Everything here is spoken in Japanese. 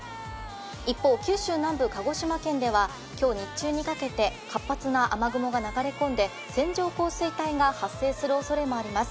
一方、九州南部、鹿児島県は今日、日中にかけて活発な雨雲が流れ込んで、線状降水帯が発生するおそれもあります。